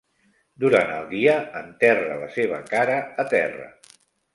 Durant el dia enterra la seva cara a terra.